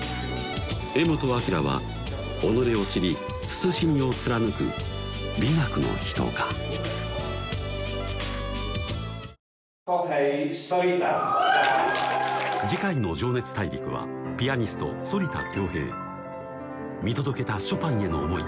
柄本明は己を知り慎みを貫く美学の人かキョウヘイ・ソリタ見届けたショパンへの思い